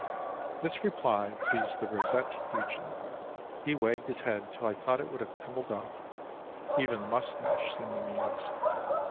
This reply pleased the rosette hugely. He wagged his head till I thought it would have tumbled off. Even the mustache seemed amused.